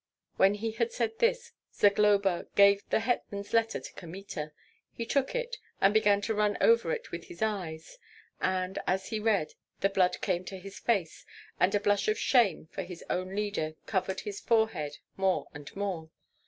When he had said this, Zagloba gave the hetman's letter to Kmita. He took it, and began to run over it with his eyes; and as he read, the blood came to his face, and a blush of shame for his own leader covered his forehead more and more.